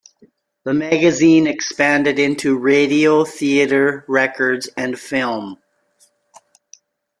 The magazine expanded into radio, theater, records and film.